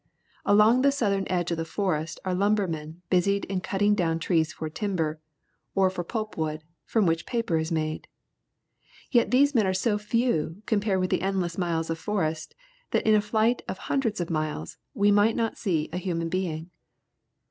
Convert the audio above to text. Along the southern edge of the forest are lumbermen busied in cutting down trees for timber, or for pulp wood, from which paper is made. Yet these men are so few compared with the endless miles of forest that in a flight of hundreds of miles we might not see a human being.